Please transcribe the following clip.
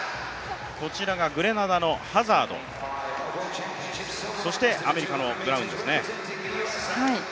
こちらがグレナダのハザードそしてアメリカのブラウンです。